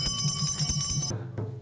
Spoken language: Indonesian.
sangat luar biasa melihat semua lampu